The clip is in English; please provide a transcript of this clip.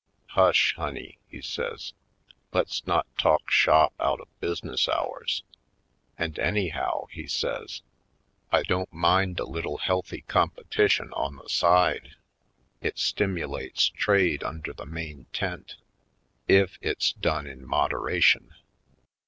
"Hush, honey," he says, "let's not talk Country Side 113 shop out of business hours. And anyhow," he says, "I don't mind a little healthy com petition on the side. It stimulates trade under the main tent — if it's done in modera tion.".